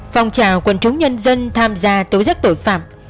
phòng trào quần trúng nhân dân tham gia tối giấc tội phạm